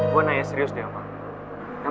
gue nanya serius deh apa